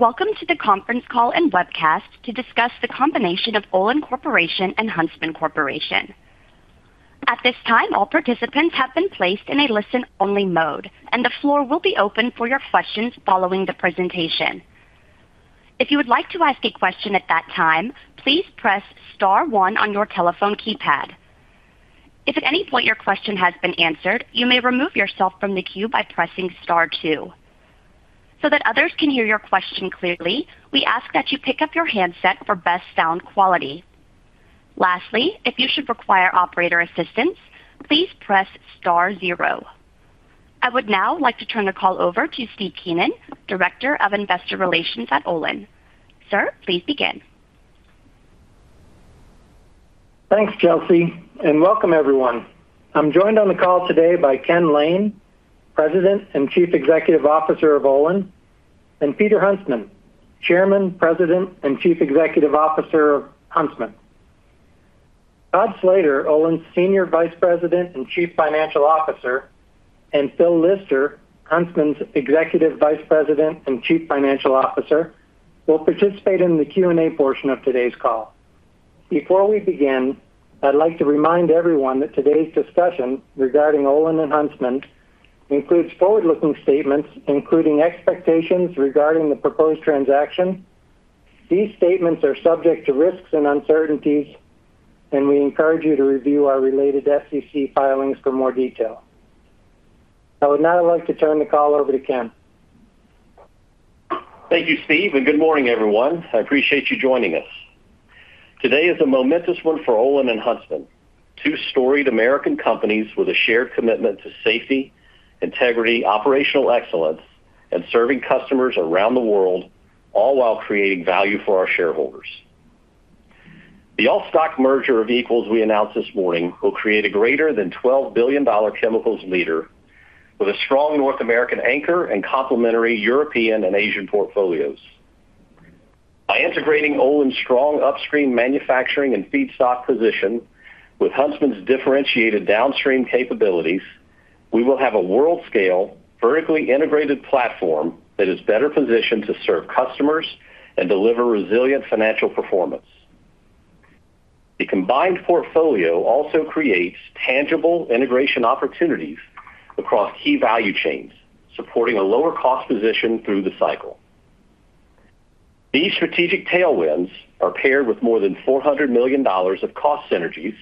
Welcome to the conference call and webcast to discuss the combination of Olin Corporation and Huntsman Corporation. At this time, all participants have been placed in a listen-only mode, and the floor will be open for your questions following the presentation. If you would like to ask a question at that time, please press star one on your telephone keypad. If at any point your question has been answered, you may remove yourself from the queue by pressing star two. That others can hear your question clearly, we ask that you pick up your handset for best sound quality. Lastly, if you should require operator assistance, please press star zero. I would now like to turn the call over to Steve Keenan, Director of Investor Relations at Olin. Sir, please begin. Thanks, Chelsea, welcome everyone. I'm joined on the call today by Ken Lane, President and Chief Executive Officer of Olin, and Peter Huntsman, Chairman, President, and Chief Executive Officer of Huntsman. Todd Slater, Olin's Senior Vice President and Chief Financial Officer, and Phil Lister, Huntsman's Executive Vice President and Chief Financial Officer, will participate in the Q&A portion of today's call. Before we begin, I'd like to remind everyone that today's discussion regarding Olin and Huntsman includes forward-looking statements, including expectations regarding the proposed transaction. These statements are subject to risks and uncertainties. We encourage you to review our related SEC filings for more detail. I would now like to turn the call over to Ken. Thank you, Steve, good morning, everyone. I appreciate you joining us. Today is a momentous one for Olin and Huntsman, two storied American companies with a shared commitment to safety, integrity, operational excellence, and serving customers around the world, all while creating value for our shareholders. The all-stock merger of equals we announced this morning will create a greater than $12 billion chemicals leader with a strong North American anchor and complementary European and Asian portfolios. By integrating Olin's strong upstream manufacturing and feedstock position with Huntsman's differentiated downstream capabilities, we will have a world-scale, vertically integrated platform that is better positioned to serve customers and deliver resilient financial performance. The combined portfolio also creates tangible integration opportunities across key value chains, supporting a lower-cost position through the cycle. These strategic tailwinds are paired with more than $400 million of cost synergies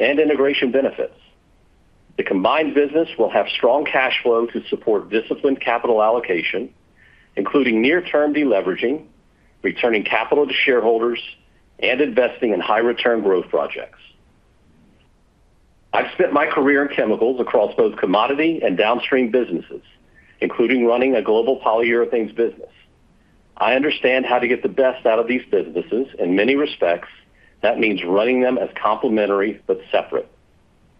and integration benefits. The combined business will have strong cash flow to support disciplined capital allocation, including near-term de-leveraging, returning capital to shareholders, and investing in high-return growth projects. I've spent my career in chemicals across both commodity and downstream businesses, including running a global polyurethanes business. I understand how to get the best out of these businesses. In many respects, that means running them as complementary but separate.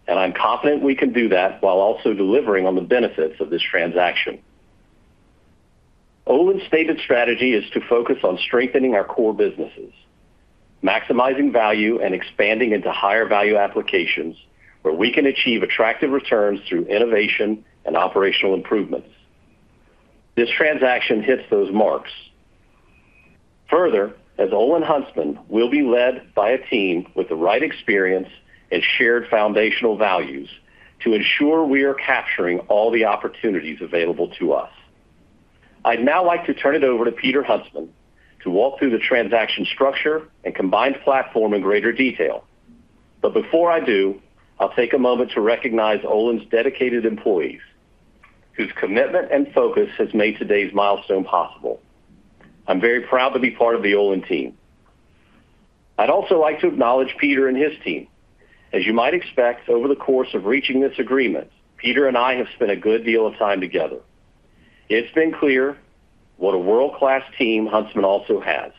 I'm confident we can do that while also delivering on the benefits of this transaction. Olin's stated strategy is to focus on strengthening our core businesses, maximizing value, and expanding into higher-value applications where we can achieve attractive returns through innovation and operational improvements. This transaction hits those marks. Further, as Olin-Huntsman, we'll be led by a team with the right experience and shared foundational values to ensure we are capturing all the opportunities available to us. I'd now like to turn it over to Peter Huntsman to walk through the transaction structure and combined platform in greater detail. Before I do, I'll take a moment to recognize Olin's dedicated employees, whose commitment and focus has made today's milestone possible. I'm very proud to be part of the Olin team. I'd also like to acknowledge Peter and his team. As you might expect, over the course of reaching this agreement, Peter and I have spent a good deal of time together. It's been clear what a world-class team Huntsman also has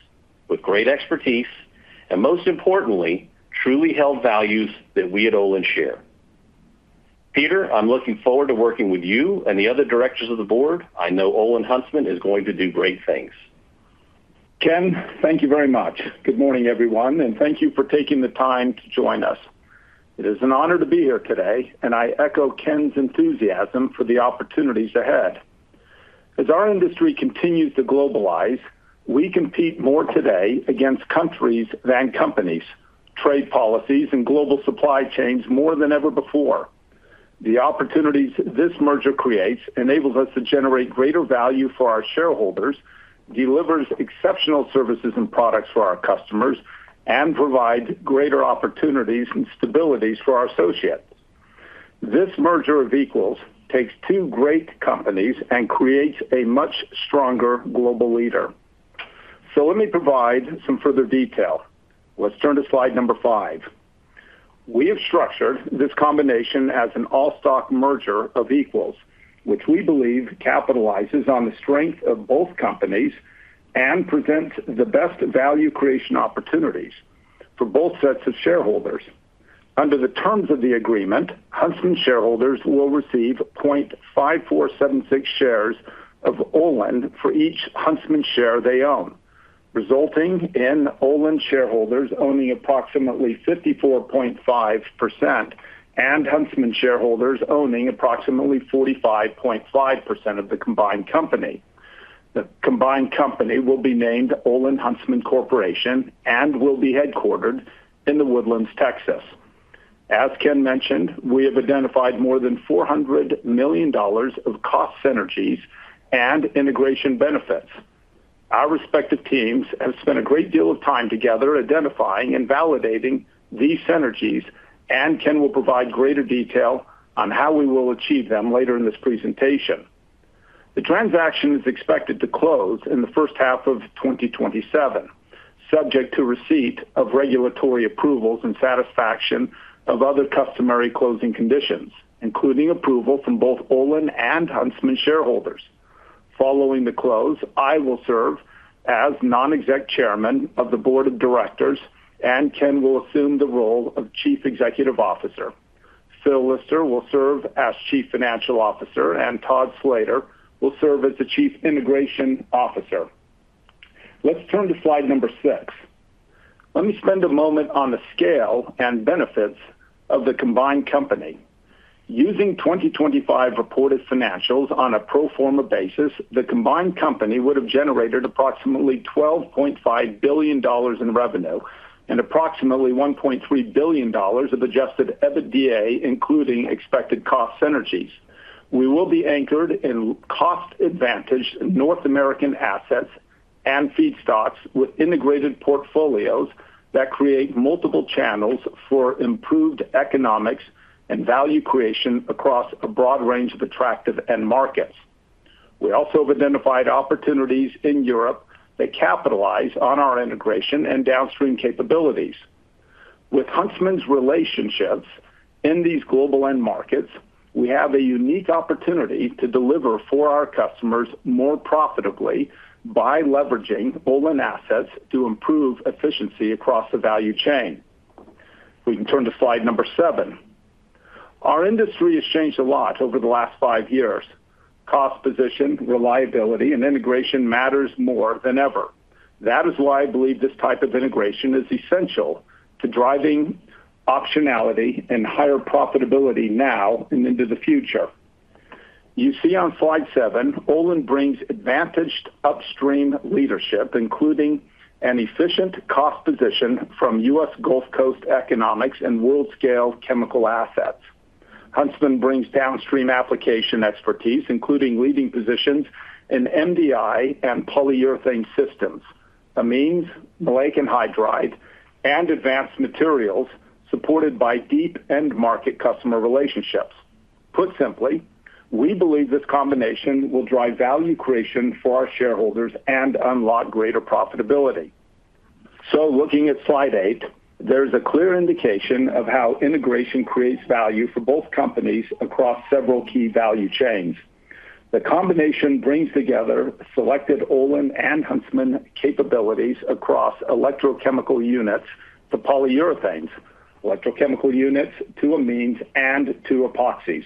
with great expertise, and most importantly, truly held values that we at Olin share. Peter, I'm looking forward to working with you and the other directors of the board. I know OlinHuntsman is going to do great things. Ken, thank you very much. Good morning, everyone, and thank you for taking the time to join us. It is an honor to be here today, and I echo Ken's enthusiasm for the opportunities ahead. As our industry continues to globalize, we compete more today against countries than companies, trade policies, and global supply chains more than ever before. The opportunities this merger creates enables us to generate greater value for our shareholders, delivers exceptional services and products for our customers, and provide greater opportunities and stabilities for our associates. This merger of equals takes two great companies and creates a much stronger global leader. Let me provide some further detail. Let's turn to slide number five. We have structured this combination as an all-stock merger of equals, which we believe capitalizes on the strength of both companies and presents the best value creation opportunities for both sets of shareholders. Under the terms of the agreement, Huntsman shareholders will receive 0.5476 shares of Olin for each Huntsman share they own. Resulting in Olin shareholders owning approximately 54.5% and Huntsman shareholders owning approximately 45.5% of the combined company. The combined company will be named OlinHuntsman Corporation and will be headquartered in The Woodlands, Texas. As Ken mentioned, we have identified more than $400 million of cost synergies and integration benefits. Our respective teams have spent a great deal of time together identifying and validating these synergies, and Ken will provide greater detail on how we will achieve them later in this presentation. The transaction is expected to close in the first half of 2027, subject to receipt of regulatory approvals and satisfaction of other customary closing conditions, including approval from both Olin and Huntsman shareholders. Following the close, I will serve as non-exec chairman of the board of directors, and Ken will assume the role of Chief Executive Officer. Phil Lister will serve as Chief Financial Officer, and Todd Slater will serve as the Chief Integration Officer. Let's turn to slide number six. Let me spend a moment on the scale and benefits of the combined company. Using 2025 reported financials on a pro forma basis, the combined company would have generated approximately $12.5 billion in revenue and approximately $1.3 billion of adjusted EBITDA, including expected cost synergies. We will be anchored in cost-advantaged North American assets and feedstocks with integrated portfolios that create multiple channels for improved economics and value creation across a broad range of attractive end markets. We also have identified opportunities in Europe that capitalize on our integration and downstream capabilities. With Huntsman's relationships in these global end markets, we have a unique opportunity to deliver for our customers more profitably by leveraging Olin assets to improve efficiency across the value chain. We can turn to slide number seven. Our industry has changed a lot over the last five years. Cost position, reliability, and integration matters more than ever. That is why I believe this type of integration is essential to driving optionality and higher profitability now and into the future. You see on slide seven, Olin brings advantaged upstream leadership, including an efficient cost position from U.S. Gulf Coast economics and world-scale chemical assets. Huntsman brings downstream application expertise, including leading positions in MDI and polyurethane systems, amines, maleic anhydride, and advanced materials, supported by deep end-market customer relationships. Put simply, we believe this combination will drive value creation for our shareholders and unlock greater profitability. Looking at slide eight, there is a clear indication of how integration creates value for both companies across several key value chains. The combination brings together selected Olin and Huntsman capabilities across electrochemical units to polyurethanes, electrochemical units to amines, and to epoxies.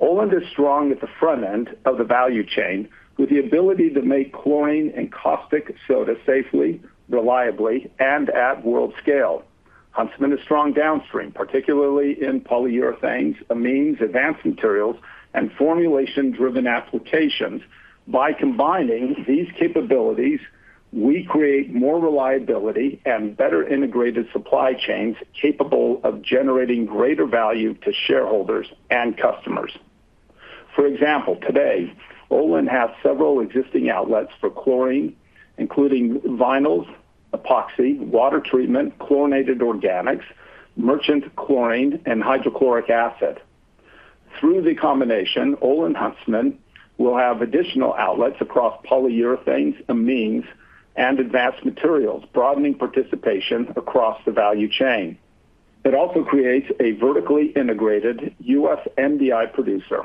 Olin is strong at the front end of the value chain with the ability to make chlorine and caustic soda safely, reliably, and at world scale. Huntsman is strong downstream, particularly in polyurethanes, amines, advanced materials, and formulation-driven applications. By combining these capabilities, we create more reliability and better integrated supply chains capable of generating greater value to shareholders and customers. For example, today, Olin has several existing outlets for chlorine, including vinyls, epoxy, water treatment, chlorinated organics, merchant chlorine, and hydrochloric acid. Through the combination, OlinHuntsman will have additional outlets across polyurethanes, amines, and advanced materials, broadening participation across the value chain. It also creates a vertically integrated U.S. MDI producer.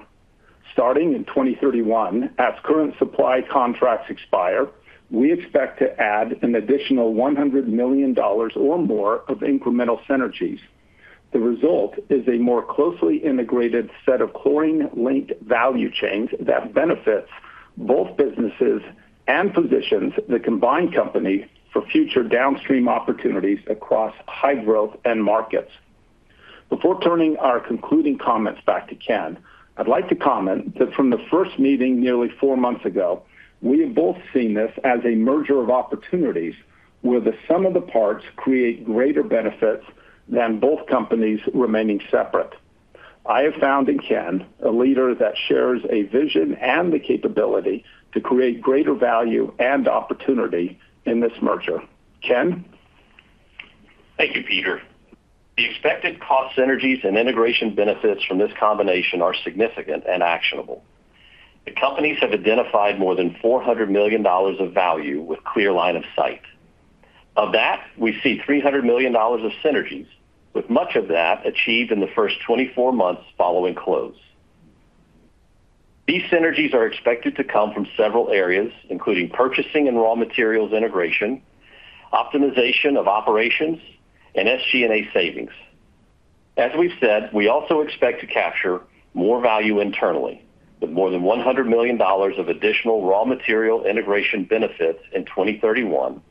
Starting in 2031, as current supply contracts expire, we expect to add an additional $100 million or more of incremental synergies. The result is a more closely integrated set of chlorine-linked value chains that benefits both businesses and positions the combined company for future downstream opportunities across high-growth end markets. Before turning our concluding comments back to Ken, I'd like to comment that from the first meeting nearly four months ago, we have both seen this as a merger of opportunities where the sum of the parts create greater benefits than both companies remaining separate. I have found in Ken a leader that shares a vision and the capability to create greater value and opportunity in this merger. Ken? Thank you, Peter. The expected cost synergies and integration benefits from this combination are significant and actionable. The companies have identified more than $400 million of value with clear line of sight. Of that, we see $300 million of synergies, with much of that achieved in the first 24 months following close. These synergies are expected to come from several areas, including purchasing and raw materials integration, optimization of operations, and SG&A savings. As we've said, we also expect to capture more value internally with more than $100 million of additional raw material integration benefits in 2031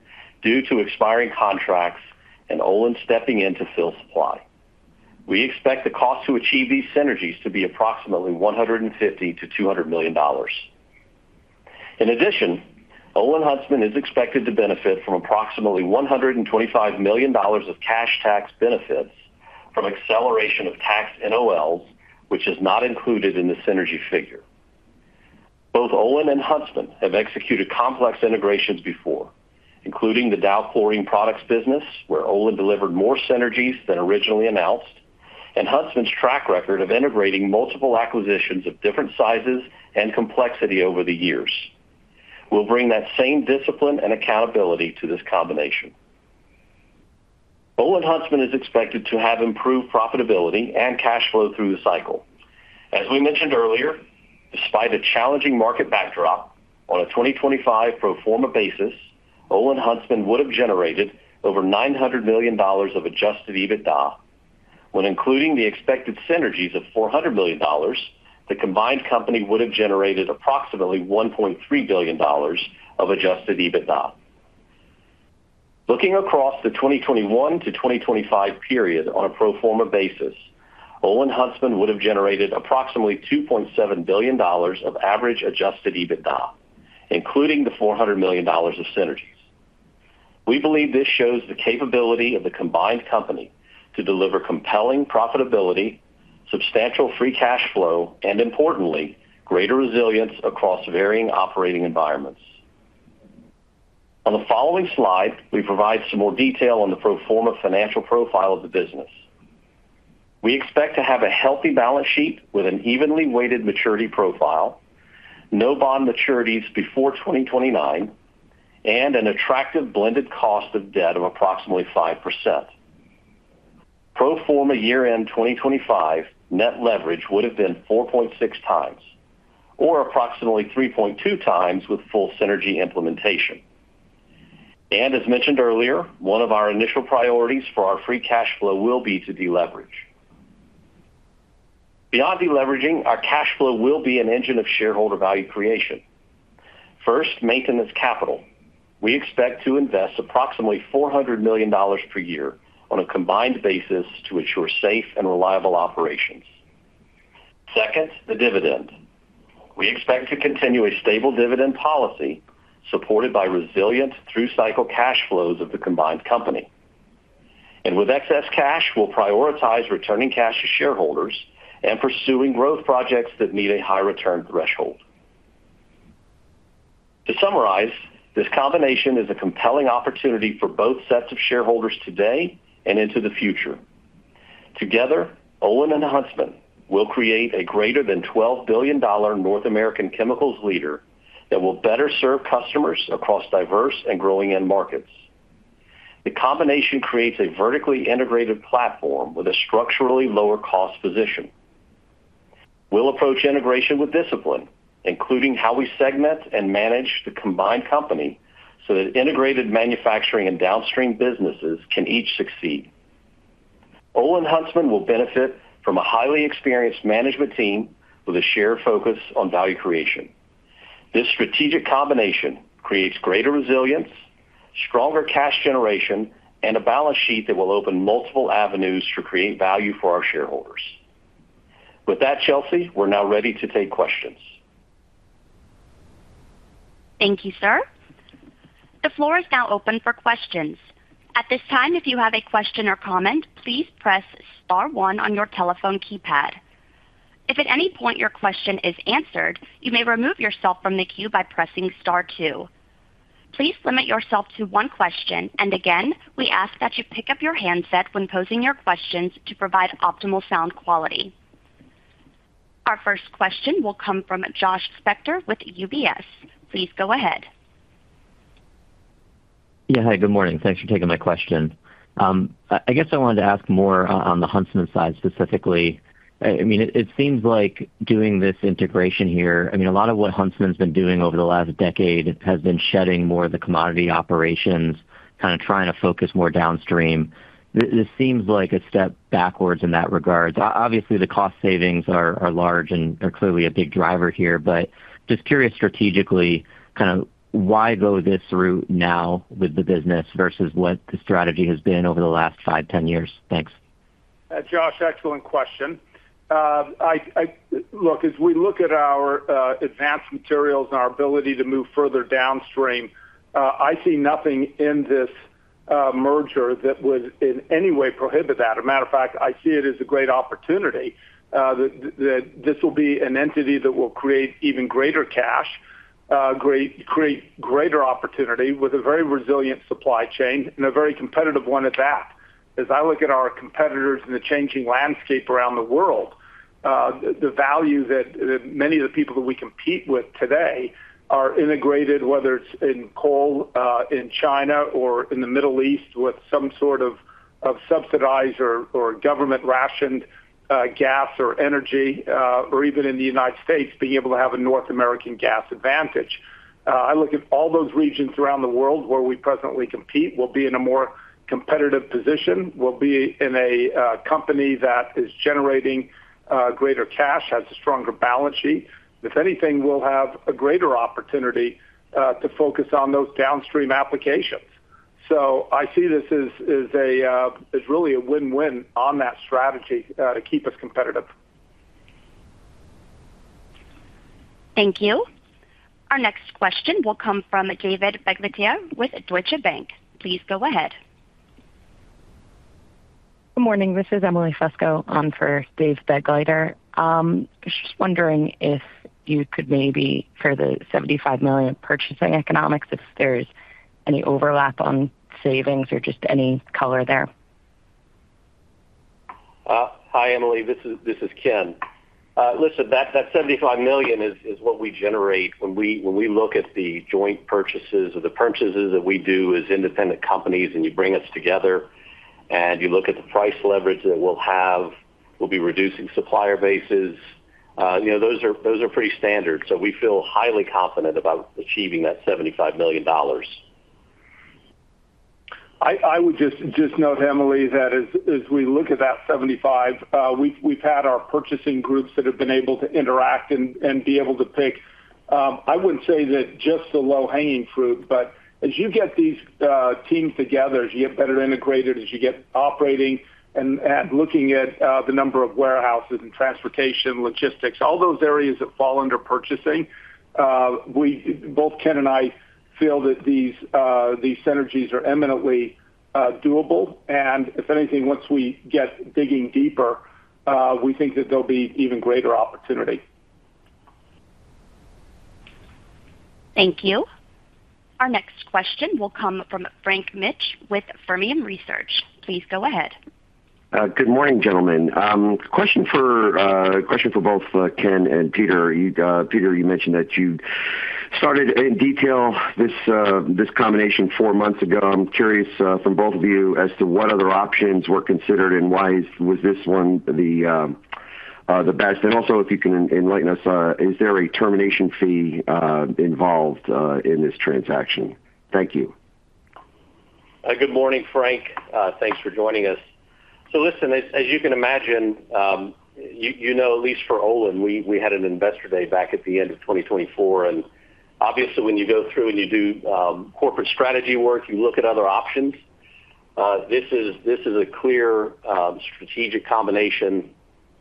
due to expiring contracts and Olin stepping in to fill supply. We expect the cost to achieve these synergies to be approximately $150 million-$200 million. In addition, OlinHuntsman is expected to benefit from approximately $125 million of cash tax benefits from acceleration of tax NOLs, which is not included in the synergy figure. Both Olin and Huntsman have executed complex integrations before, including the Dow Chlorine Products business, where Olin delivered more synergies than originally announced, and Huntsman's track record of integrating multiple acquisitions of different sizes and complexity over the years. We'll bring that same discipline and accountability to this combination. OlinHuntsman is expected to have improved profitability and cash flow through the cycle. As we mentioned earlier, despite a challenging market backdrop on a 2025 pro forma basis, OlinHuntsman would have generated over $900 million of adjusted EBITDA. When including the expected synergies of $400 million, the combined company would have generated approximately $1.3 billion of adjusted EBITDA. Looking across the 2021 to 2025 period on a pro forma basis, OlinHuntsman would have generated approximately $2.7 billion of average adjusted EBITDA, including the $400 million of synergies. We believe this shows the capability of the combined company to deliver compelling profitability, substantial free cash flow, and importantly, greater resilience across varying operating environments. On the following slide, we provide some more detail on the pro forma financial profile of the business. We expect to have a healthy balance sheet with an evenly weighted maturity profile, no bond maturities before 2029, and an attractive blended cost of debt of approximately 5%. Pro forma year-end 2025, net leverage would have been 4.6x or approximately 3.2x with full synergy implementation. As mentioned earlier, one of our initial priorities for our free cash flow will be to deleverage. Beyond deleveraging, our cash flow will be an engine of shareholder value creation. First, maintenance capital. We expect to invest approximately $400 million per year on a combined basis to ensure safe and reliable operations. Second, the dividend. We expect to continue a stable dividend policy supported by resilient through-cycle cash flows of the combined company. With excess cash, we'll prioritize returning cash to shareholders and pursuing growth projects that meet a high return threshold. To summarize, this combination is a compelling opportunity for both sets of shareholders today and into the future. Together, Olin and Huntsman will create a greater than $12 billion North American chemicals leader that will better serve customers across diverse and growing end markets. The combination creates a vertically integrated platform with a structurally lower cost position. We'll approach integration with discipline, including how we segment and manage the combined company so that integrated manufacturing and downstream businesses can each succeed. OlinHuntsman will benefit from a highly experienced management team with a shared focus on value creation. This strategic combination creates greater resilience, stronger cash generation, and a balance sheet that will open multiple avenues to create value for our shareholders. With that, Chelsea, we're now ready to take questions. Thank you, sir. The floor is now open for questions. At this time, if you have a question or comment, please press star one on your telephone keypad. If at any point your question is answered, you may remove yourself from the queue by pressing star two. Please limit yourself to one question, and again, we ask that you pick up your handset when posing your questions to provide optimal sound quality. Our first question will come from Josh Spector with UBS. Please go ahead. Yeah. Hi, good morning. Thanks for taking my question. I guess I wanted to ask more on the Huntsman side specifically. It seems like doing this integration here, a lot of what Huntsman's been doing over the last decade has been shedding more of the commodity operations, kind of trying to focus more downstream. This seems like a step backwards in that regard. Obviously, the cost savings are large and are clearly a big driver here, but just curious strategically, why go this route now with the business versus what the strategy has been over the last 5, 10 years? Thanks. Josh, excellent question. As we look at our advanced materials and our ability to move further downstream, I see nothing in this merger that would in any way prohibit that. As a matter of fact, I see it as a great opportunity, that this will be an entity that will create even greater cash, create greater opportunity with a very resilient supply chain and a very competitive one at that. As I look at our competitors and the changing landscape around the world, the value that many of the people that we compete with today are integrated, whether it's in coal, in China or in the Middle East. Of subsidized or government-rationed gas or energy, or even in the U.S., being able to have a North American gas advantage. I look at all those regions around the world where we presently compete, we'll be in a more competitive position. We'll be in a company that is generating greater cash, has a stronger balance sheet. If anything, we'll have a greater opportunity to focus on those downstream applications. I see this as really a win-win on that strategy to keep us competitive. Thank you. Our next question will come from David Begleiter with Deutsche Bank. Please go ahead. Good morning. This is Emily Fusco on for Dave Begleiter. I was just wondering if you could maybe, for the $75 million purchasing economics, if there's any overlap on savings or just any color there? Hi, Emily. This is Ken. Listen, that $75 million is what we generate when we look at the joint purchases or the purchases that we do as independent companies, and you bring us together and you look at the price leverage that we'll have. We'll be reducing supplier bases. Those are pretty standard. We feel highly confident about achieving that $75 million. I would just note, Emily, that as we look at that $75 million, we've had our purchasing groups that have been able to interact and be able to pick, I wouldn't say that just the low-hanging fruit, but as you get these teams together, as you get better integrated, as you get operating and looking at the number of warehouses and transportation, logistics, all those areas that fall under purchasing, both Ken and I feel that these synergies are eminently doable, and if anything, once we get digging deeper, we think that there'll be even greater opportunity. Thank you. Our next question will come from Frank Mitsch with Fermium Research. Please go ahead. Good morning, gentlemen. Question for both Ken and Peter. Peter, you mentioned that you started in detail this combination four months ago. I'm curious from both of you as to what other options were considered and why was this one the best? Also, if you can enlighten us, is there a termination fee involved in this transaction? Thank you. Good morning, Frank. Thanks for joining us. Listen, as you can imagine, you know at least for Olin, we had an investor day back at the end of 2024, obviously when you go through and you do corporate strategy work, you look at other options. This is a clear strategic combination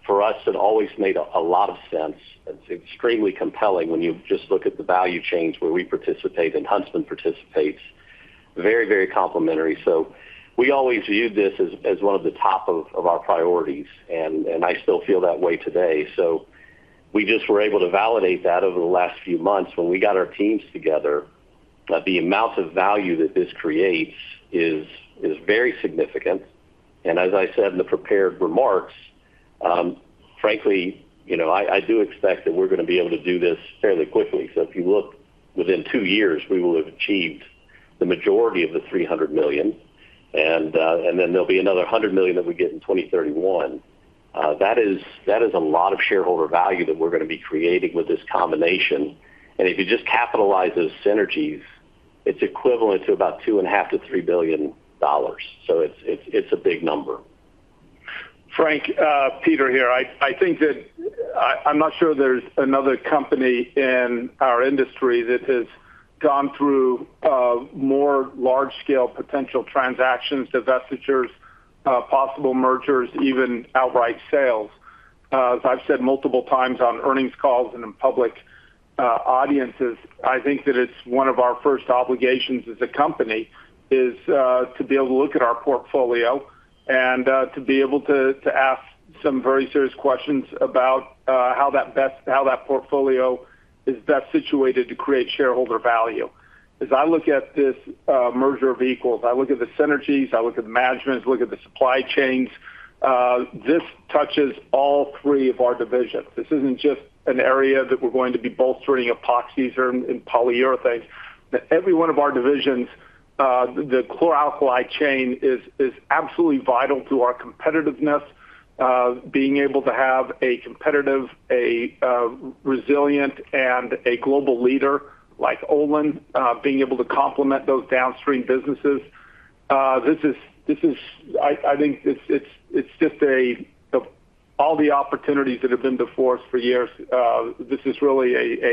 for us that always made a lot of sense. It's extremely compelling when you just look at the value chains where we participate and Huntsman participates. Very complementary. We always viewed this as one of the top of our priorities, I still feel that way today. We just were able to validate that over the last few months when we got our teams together. The amount of value that this creates is very significant. As I said in the prepared remarks, frankly, I do expect that we're going to be able to do this fairly quickly. If you look within two years, we will have achieved the majority of the $300 million, then there'll be another $100 million that we get in 2031. That is a lot of shareholder value that we're going to be creating with this combination. If you just capitalize those synergies, it's equivalent to about $2.5 billion-$3 billion. It's a big number. Frank, Peter here. I'm not sure there's another company in our industry that has gone through more large-scale potential transactions, divestitures, possible mergers, even outright sales. As I've said multiple times on earnings calls and in public audiences, I think that it's one of our first obligations as a company is to be able to look at our portfolio and to be able to ask some very serious questions about how that portfolio is best situated to create shareholder value. As I look at this merger of equals, I look at the synergies, I look at the management, look at the supply chains. This touches all three of our divisions. This isn't just an area that we're going to be bolstering epoxies or in polyurethanes. Every one of our divisions, the chlor-alkali chain is absolutely vital to our competitiveness. Being able to have a competitive, a resilient, and a global leader like Olin, being able to complement those downstream businesses. I think of all the opportunities that have been before us for years, this is really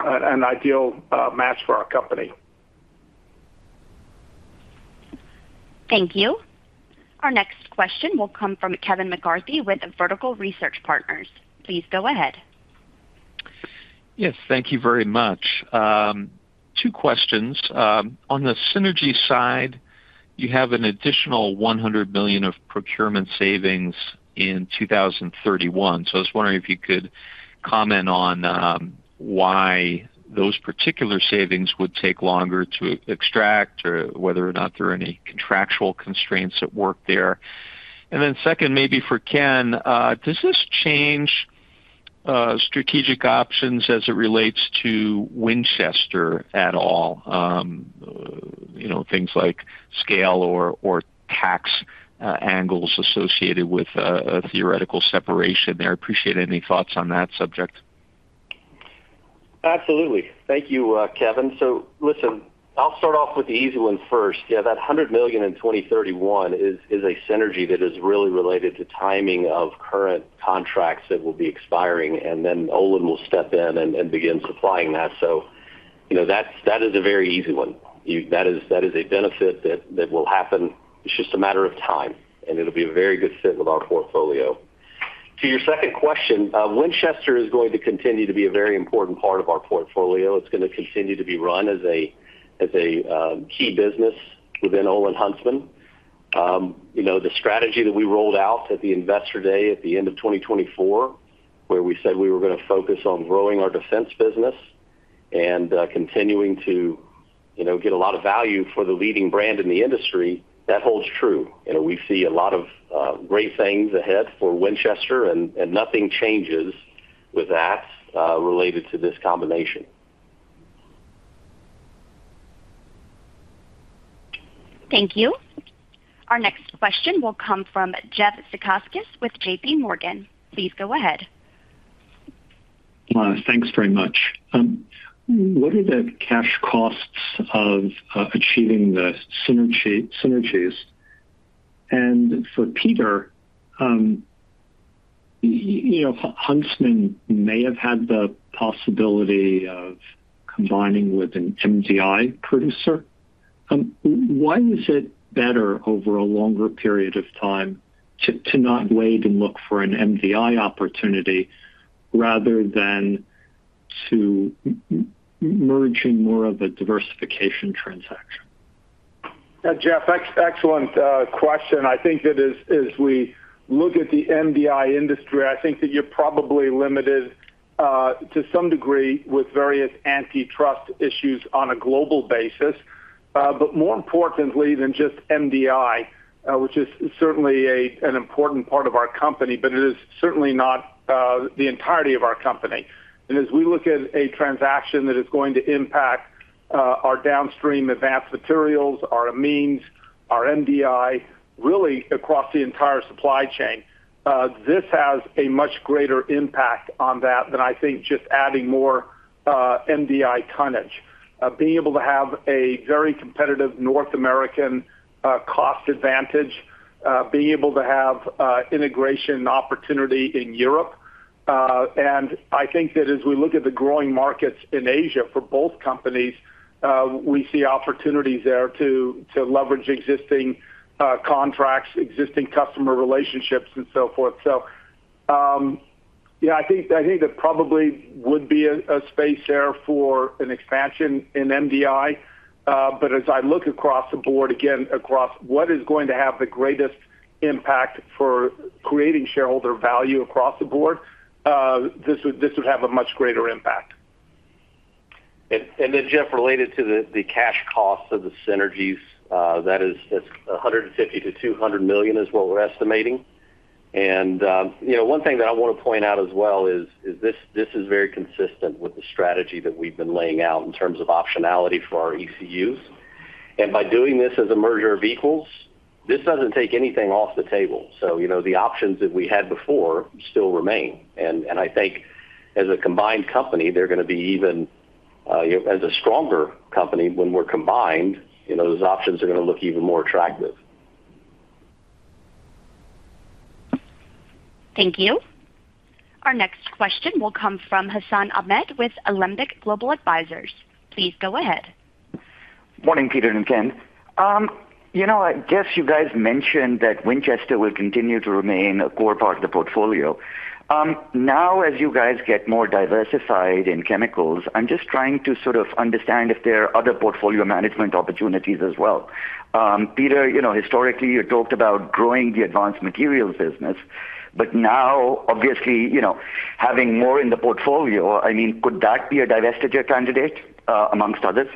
an ideal match for our company. Thank you. Our next question will come from Kevin McCarthy with Vertical Research Partners. Please go ahead. Yes, thank you very much. Two questions. On the synergy side, you have an additional $100 million of procurement savings in 2031. I was wondering if you could comment on why those particular savings would take longer to extract, or whether or not there are any contractual constraints at work there. Second, maybe for Ken, does this change strategic options as it relates to Winchester at all? Things like scale or tax angles associated with a theoretical separation there. I appreciate any thoughts on that subject. Absolutely. Thank you, Kevin. Listen, I'll start off with the easy one first. Yeah, that $100 million in 2031 is a synergy that is really related to timing of current contracts that will be expiring, and then Olin will step in and begin supplying that. That is a very easy one. That is a benefit that will happen. It's just a matter of time, and it'll be a very good fit with our portfolio. To your second question, Winchester is going to continue to be a very important part of our portfolio. It's going to continue to be run as a key business within OlinHuntsman. The strategy that we rolled out at the investor day at the end of 2024, where we said we were going to focus on growing our defense business and continuing to get a lot of value for the leading brand in the industry, that holds true. We see a lot of great things ahead for Winchester and nothing changes with that related to this combination. Thank you. Our next question will come from Jeff Zekauskas with JPMorgan. Please go ahead. Thanks very much. What are the cash costs of achieving the synergies? For Peter, Huntsman may have had the possibility of combining with an MDI producer. Why is it better over a longer period of time to not wait and look for an MDI opportunity rather than to merge in more of a diversification transaction? Jeff, excellent question. I think that as we look at the MDI industry, I think that you're probably limited to some degree with various antitrust issues on a global basis. More importantly than just MDI, which is certainly an important part of our company, but it is certainly not the entirety of our company. As we look at a transaction that is going to impact our downstream advanced materials, our amines, our MDI, really across the entire supply chain, this has a much greater impact on that than I think just adding more MDI tonnage. Being able to have a very competitive North American cost advantage, being able to have integration opportunity in Europe. I think that as we look at the growing markets in Asia for both companies, we see opportunities there to leverage existing contracts, existing customer relationships, and so forth. Yeah, I think there probably would be a space there for an expansion in MDI. As I look across the board again, across what is going to have the greatest impact for creating shareholder value across the board, this would have a much greater impact. Jeff, related to the cash cost of the synergies, that is $150 million-$200 million is what we're estimating. One thing that I want to point out as well is this is very consistent with the strategy that we've been laying out in terms of optionality for our ECUs. By doing this as a merger of equals, this doesn't take anything off the table. The options that we had before still remain, and I think as a combined company, they're going to be even as a stronger company when we're combined, those options are going to look even more attractive. Thank you. Our next question will come from Hassan Ahmed with Alembic Global Advisors. Please go ahead. Morning, Peter and Ken. I guess you guys mentioned that Winchester will continue to remain a core part of the portfolio. As you guys get more diversified in chemicals, I'm just trying to sort of understand if there are other portfolio management opportunities as well. Peter, historically you talked about growing the advanced materials business, but obviously, having more in the portfolio, could that be a divestiture candidate amongst others?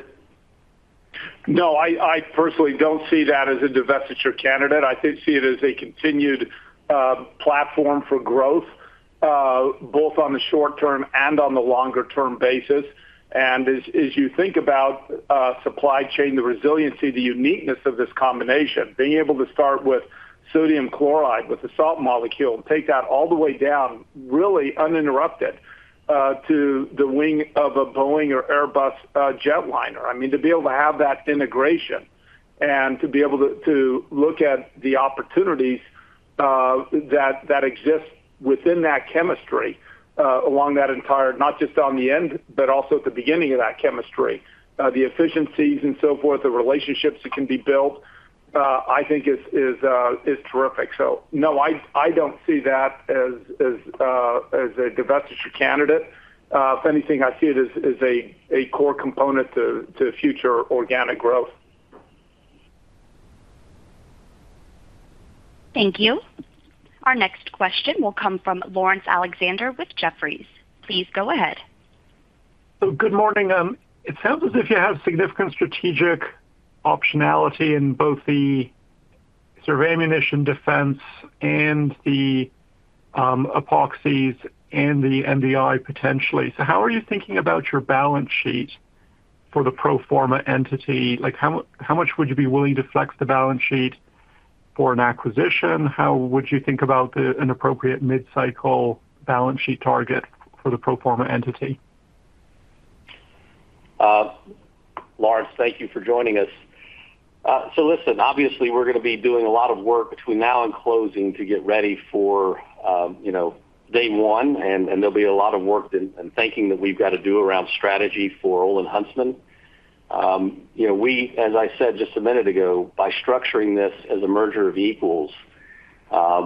No, I personally don't see that as a divestiture candidate. I see it as a continued platform for growth, both on the short term and on the longer term basis. As you think about supply chain, the resiliency, the uniqueness of this combination, being able to start with sodium chloride, with the salt molecule, take that all the way down, really uninterrupted, to the wing of a Boeing or Airbus jetliner. To be able to have that integration and to be able to look at the opportunities that exist within that chemistry along that entire, not just on the end, but also at the beginning of that chemistry, the efficiencies and so forth, the relationships that can be built, I think is terrific. No, I don't see that as a divestiture candidate. If anything, I see it as a core component to future organic growth. Thank you. Our next question will come from Laurence Alexander with Jefferies. Please go ahead. Good morning. It sounds as if you have significant strategic optionality in both the sort of ammunition defense and the epoxies and the MDI, potentially. How are you thinking about your balance sheet for the pro forma entity? How much would you be willing to flex the balance sheet for an acquisition? How would you think about an appropriate mid-cycle balance sheet target for the pro forma entity? Laurence, thank you for joining us. Listen, obviously, we're going to be doing a lot of work between now and closing to get ready for day one. There'll be a lot of work and thinking that we've got to do around strategy for OlinHuntsman. We, as I said just a minute ago, by structuring this as a merger of equals,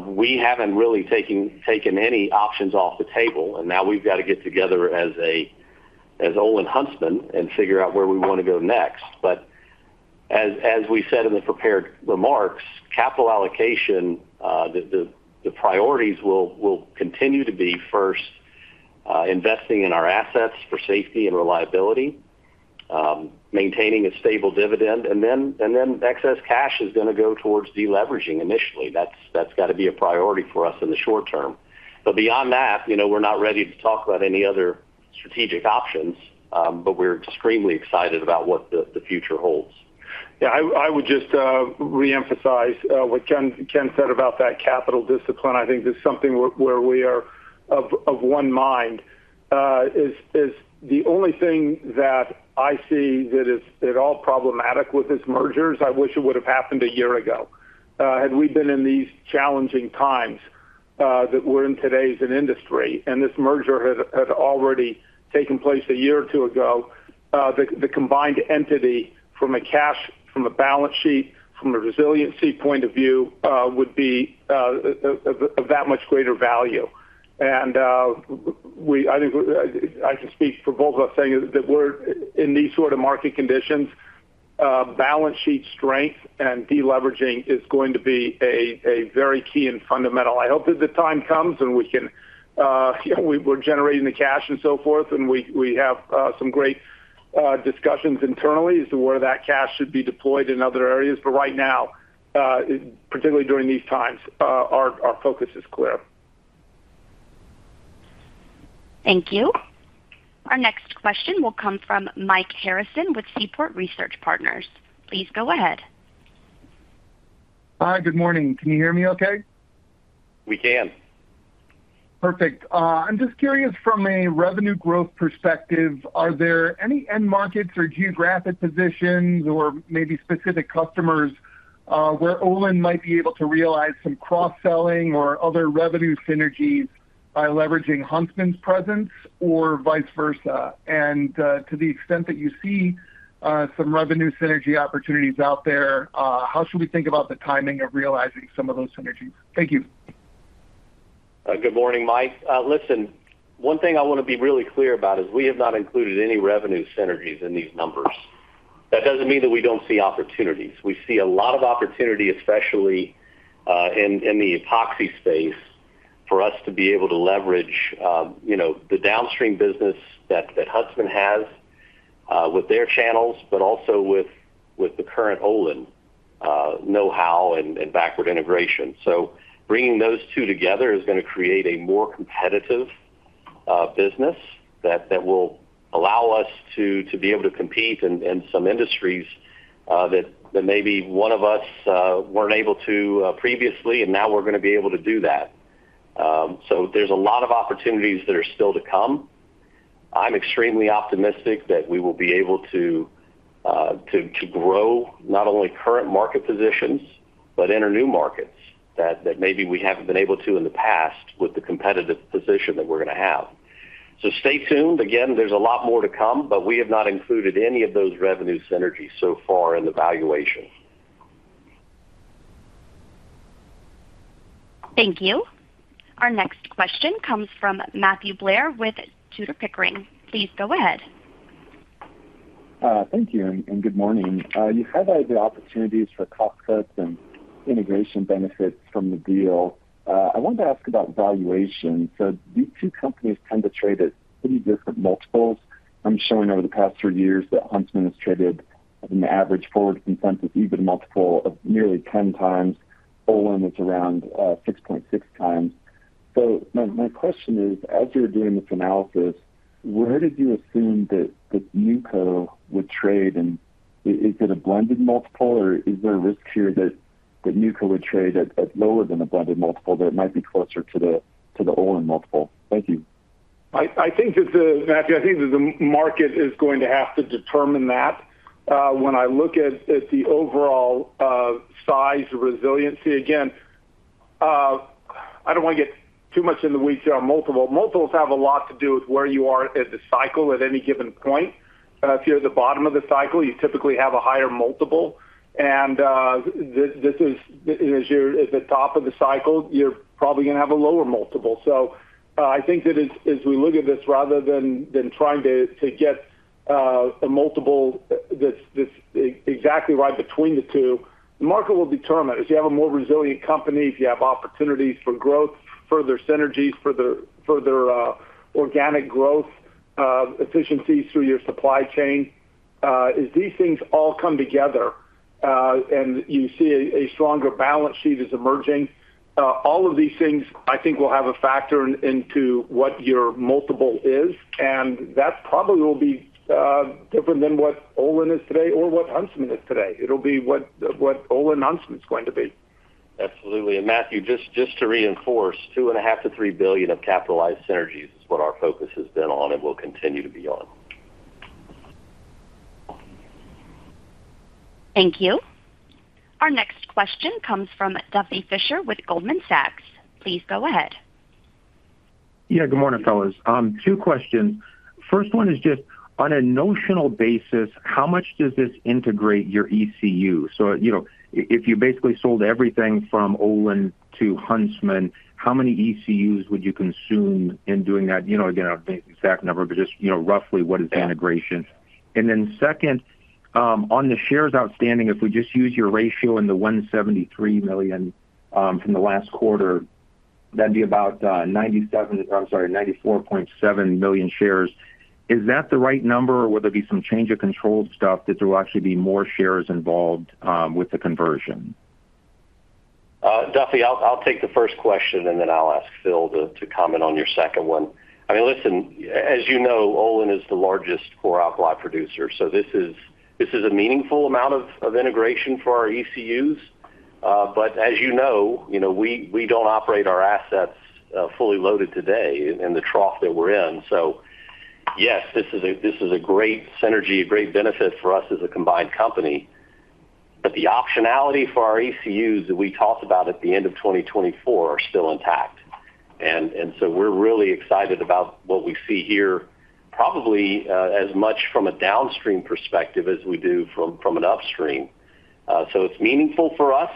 we haven't really taken any options off the table. Now we've got to get together as OlinHuntsman and figure out where we want to go next. As we said in the prepared remarks, capital allocation, the priorities will continue to be, first, investing in our assets for safety and reliability, maintaining a stable dividend. Excess cash is going to go towards de-leveraging initially. That's got to be a priority for us in the short term. Beyond that, we're not ready to talk about any other strategic options. We're extremely excited about what the future holds. Yeah, I would just reemphasize what Ken said about that capital discipline. I think that's something where we are of one mind. The only thing that I see that is at all problematic with this merger is I wish it would've happened a year ago. Had we been in these challenging times that we're in today as an industry, and this merger had already taken place a year or two ago, the combined entity from a cash, from a balance sheet, from a resiliency point of view would be of that much greater value. I think I can speak for both of us saying that we're in these sort of market conditions, balance sheet strength and de-leveraging is going to be very key and fundamental. I hope that the time comes and we're generating the cash and so forth, and we have some great discussions internally as to where that cash should be deployed in other areas. Right now, particularly during these times, our focus is clear. Thank you. Our next question will come from Mike Harrison with Seaport Research Partners. Please go ahead. Hi. Good morning. Can you hear me okay? We can. Perfect. I'm just curious, from a revenue growth perspective, are there any end markets or geographic positions or maybe specific customers where Olin might be able to realize some cross-selling or other revenue synergies by leveraging Huntsman's presence or vice versa? To the extent that you see some revenue synergy opportunities out there, how should we think about the timing of realizing some of those synergies? Thank you. Good morning, Mike. Listen, one thing I want to be really clear about is we have not included any revenue synergies in these numbers. That doesn't mean that we don't see opportunities. We see a lot of opportunity, especially in the epoxy space, for us to be able to leverage the downstream business that Huntsman has with their channels, but also with the current Olin knowhow and backward integration. Bringing those two together is going to create a more competitive business that will allow us to be able to compete in some industries that maybe one of us weren't able to previously, and now we're going to be able to do that. There's a lot of opportunities that are still to come. I'm extremely optimistic that we will be able to grow not only current market positions, but enter new markets that maybe we haven't been able to in the past with the competitive position that we're going to have. Stay tuned. There's a lot more to come, but we have not included any of those revenue synergies so far in the valuation. Thank you. Our next question comes from Matthew Blair with Tudor, Pickering. Please go ahead. Thank you, and good morning. You highlighted the opportunities for cost cuts and integration benefits from the deal. I wanted to ask about valuation. These two companies tend to trade at pretty different multiples. I'm showing over the past three years that Huntsman has traded at an average forward consensus EBITDA multiple of nearly 10x. Olin is around 6.6x. My question is, as you were doing this analysis, where did you assume that the new co would trade? Is it a blended multiple, or is there a risk here that new co would trade at lower than a blended multiple, that it might be closer to the Olin multiple? Thank you. Matthew, I think that the market is going to have to determine that. When I look at the overall size resiliency, again, I don't want to get too much in the weeds here on multiple. Multiples have a lot to do with where you are at the cycle at any given point. If you're at the bottom of the cycle, you typically have a higher multiple, as you're at the top of the cycle, you're probably going to have a lower multiple. I think that as we look at this, rather than trying to get A multiple that's exactly right between the two. The market will determine if you have a more resilient company, if you have opportunities for growth, further synergies, further organic growth, efficiencies through your supply chain. As these things all come together, you see a stronger balance sheet is emerging, all of these things, I think, will have a factor into what your multiple is, that probably will be different than what Olin is today or what Huntsman is today. It'll be what OlinHuntsman's going to be. Absolutely. Matthew, just to reinforce, $2.5 billion-$3 billion of capitalized synergies is what our focus has been on and will continue to be on. Thank you. Our next question comes from Duffy Fischer with Goldman Sachs. Please go ahead. Yeah, good morning, fellas. Two questions. First one is just on a notional basis, how much does this integrate your ECU? If you basically sold everything from Olin to Huntsman, how many ECUs would you consume in doing that? Again, I don't think the exact number, but just roughly what is the integration? Yeah. Second, on the shares outstanding, if we just use your ratio in the 173 million from the last quarter, that'd be about 94.7 million shares. Is that the right number, or will there be some change of controlled stuff that there will actually be more shares involved with the conversion? Duffy, I'll take the first question. Then I'll ask Phil to comment on your second one. Listen, as you know, Olin is the largest chlor-alkali producer, this is a meaningful amount of integration for our ECUs. But as you know, we don't operate our assets fully loaded today in the trough that we're in. Yes, this is a great synergy, a great benefit for us as a combined company. But the optionality for our ECUs that we talked about at the end of 2024 are still intact. We're really excited about what we see here, probably as much from a downstream perspective as we do from an upstream. It's meaningful for us,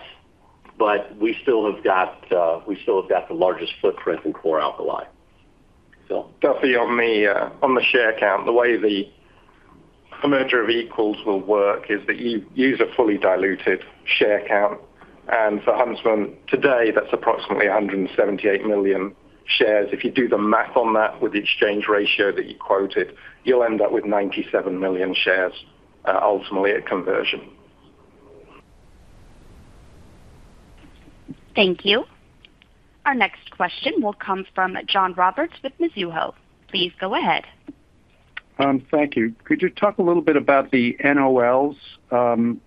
but we still have got the largest footprint in chlor-alkali. Phil? Duffy, on the share count, the way the merger of equals will work is that you use a fully diluted share count. For Huntsman today, that's approximately 178 million shares. If you do the math on that with the exchange ratio that you quoted, you'll end up with 97 million shares, ultimately at conversion. Thank you. Our next question will come from John Roberts with Mizuho. Please go ahead. Thank you. Could you talk a little bit about the NOLs?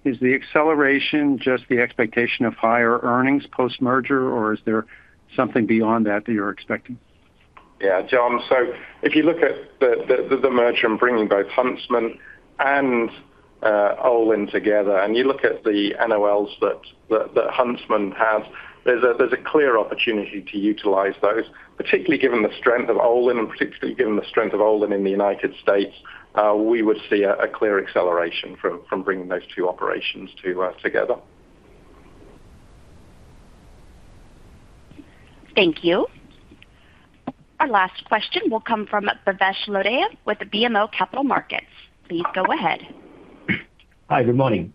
Is the acceleration just the expectation of higher earnings post-merger, or is there something beyond that you're expecting? John, if you look at the merger and bringing both Huntsman and Olin together, and you look at the NOLs that Huntsman has, there's a clear opportunity to utilize those, particularly given the strength of Olin, and particularly given the strength of Olin in the United States, we would see a clear acceleration from bringing those two operations together. Thank you. Our last question will come from Bhavesh Lodaya with BMO Capital Markets. Please go ahead. Hi, good morning.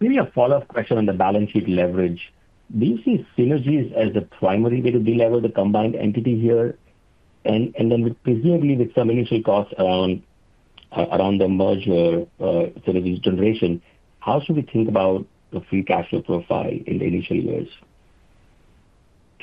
Maybe a follow-up question on the balance sheet leverage. Do you see synergies as the primary way to delever the combined entity here? Then presumably with some initial costs around the merger, sort of integration, how should we think about the free cash flow profile in the initial years?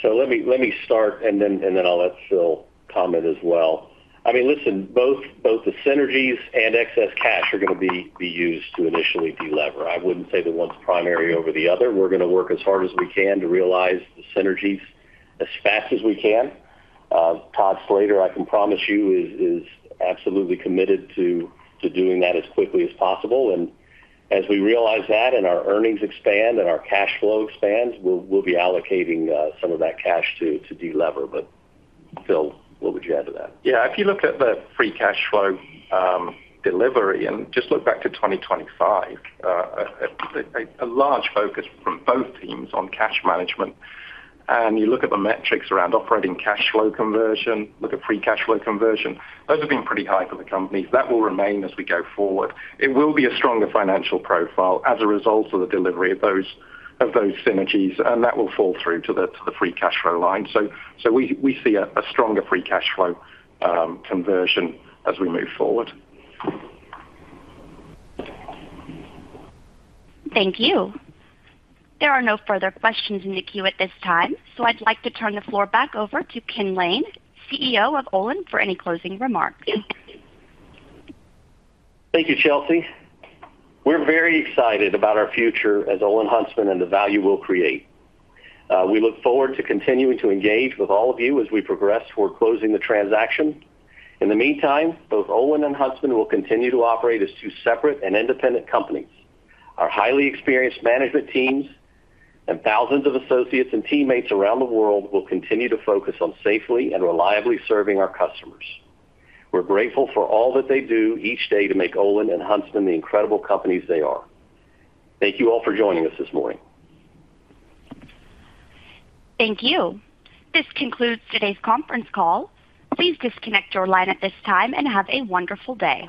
Let me start, and then I'll let Phil comment as well. Listen, both the synergies and excess cash are going to be used to initially delever. I wouldn't say that one's primary over the other. We're going to work as hard as we can to realize the synergies as fast as we can. Todd Slater, I can promise you, is absolutely committed to doing that as quickly as possible. As we realize that and our earnings expand and our cash flow expands, we'll be allocating some of that cash to delever. Phil, what would you add to that? Yeah, if you look at the free cash flow delivery and just look back to 2025, a large focus from both teams on cash management. You look at the metrics around operating cash flow conversion, look at free cash flow conversion. Those have been pretty high for the company. That will remain as we go forward. It will be a stronger financial profile as a result of the delivery of those synergies, and that will fall through to the free cash flow line. We see a stronger free cash flow conversion as we move forward. Thank you. There are no further questions in the queue at this time. I'd like to turn the floor back over to Ken Lane, CEO of Olin, for any closing remarks. Thank you, Chelsea. We're very excited about our future as OlinHuntsman and the value we'll create. We look forward to continuing to engage with all of you as we progress toward closing the transaction. In the meantime, both Olin and Huntsman will continue to operate as two separate and independent companies. Our highly experienced management teams and thousands of associates and teammates around the world will continue to focus on safely and reliably serving our customers. We're grateful for all that they do each day to make Olin and Huntsman the incredible companies they are. Thank you all for joining us this morning. Thank you. This concludes today's conference call. Please disconnect your line at this time, and have a wonderful day.